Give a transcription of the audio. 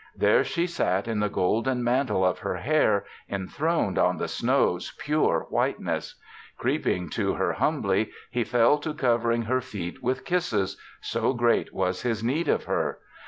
There she sat in the golden mantle of her hair, enthroned on the snow's pure whiteness. Creeping to her humbly, he fell to covering her feet with kisses, so great was his need of her.